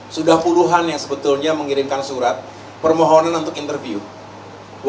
sudah puluhan yang sebetulnya mengirimkan surat permohonan untuk interview